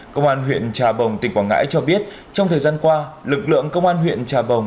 công an huyện trà bồng tỉnh quảng ngãi cho biết trong thời gian qua lực lượng công an huyện trà bồng